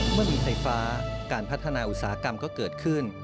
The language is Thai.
เมื่อมีไฟฟ้าการพัฒนาอุตสาหกรรมก็เกิดขึ้น